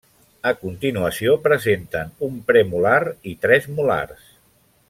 A continuació presenten un premolar i tres molars.